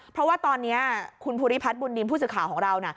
เพราะว่าตอนนี้คุณภูริพัฒน์บุญนินทร์ผู้สื่อข่าวของเรานะ